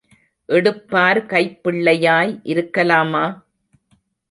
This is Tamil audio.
எடுப்பார் கைப்பிள்ளையாய் இருக்கலாமா?